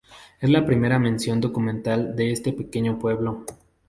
Es la primera mención documental de este pequeño pueblo.